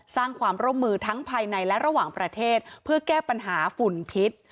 สร้างความร่วมมือทั้งภายในและระหว่างประเทศเพื่อแก้ปัญหาฝุ่นพิษ